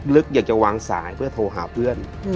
อยากจะวางสายเพื่อโทรหาเพื่อน